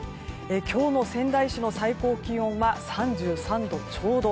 今日の仙台市の最高気温は３３度ちょうど。